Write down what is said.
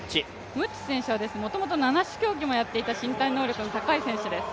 ムッチ選手はもともと七種競技もやっていた身体能力の高い選手です。